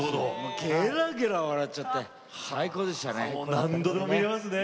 げらげら笑っちゃって最高でしたね。